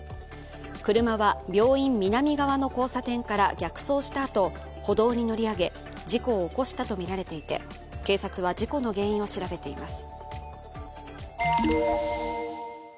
車は病院南側の交差点から逆走したあと歩道に乗り上げ事故を起こしたとみられていて、警察は事故の原因を調べています。